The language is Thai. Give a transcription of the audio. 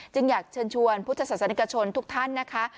อยากเชิญชวนพุทธศาสนิกชนทุกท่านนะคะ